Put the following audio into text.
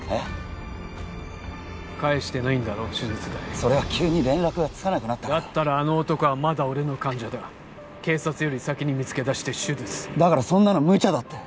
それは急に連絡がつかなくなったからだったらあの男はまだ俺の患者だ警察より先に見つけ出して手術するだからそんなのむちゃだって！